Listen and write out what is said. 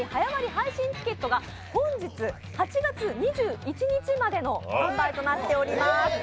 配信チケットが本日、８月２１日までの販売となっております。